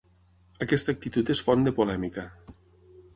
Aquesta actitud és font de polèmica.